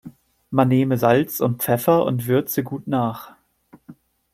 Man nehme Salz und Pfeffer und würze gut nach.